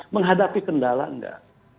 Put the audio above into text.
menghadapi kendala tidak